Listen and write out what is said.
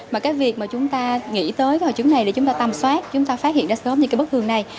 mà cái việc mà chúng ta nghĩ tới hội chứng này là chúng ta tâm soát chúng ta phát hiện ra sớm những bức thường này